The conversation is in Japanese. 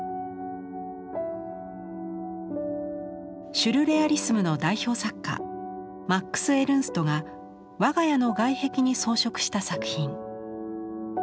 シュルレアリスムの代表作家マックス・エルンストが我が家の外壁に装飾した作品。